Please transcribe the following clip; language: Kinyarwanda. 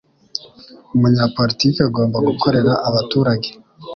Umunyapolitiki agomba gukorera abaturage.